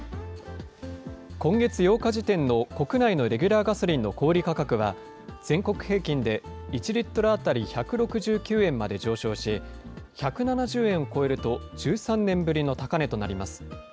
今月８日時点の国内のレギュラーガソリンの小売り価格は、全国平均で１リットル当たり１６９円まで上昇し、１７０円を超えると１３年ぶりの高値となります。